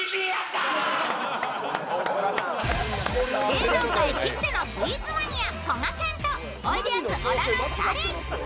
芸能界きってのスイーツマニアこがけんとおいでやす小田の２人。